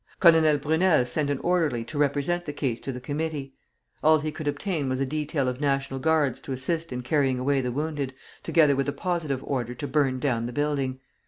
Colonel Brunel sent an orderly to represent the case to the Committee. All he could obtain was a detail of National Guards to assist in carrying away the wounded, together with a positive order to burn down the building.